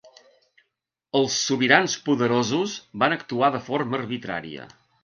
Els sobirans poderosos van actuar de forma arbitrària.